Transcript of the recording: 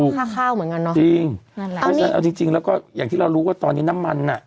ค่าข้าวเหมือนกันเนอะจริงเอาจริงแล้วก็อย่างที่เรารู้ว่าตอนนี้น้ำมัน